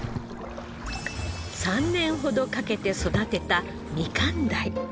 ３年ほどかけて育てたみかん鯛。